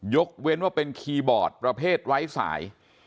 ยกเว้นว่าเป็นคีย์บอร์ดประเภทไร้สาย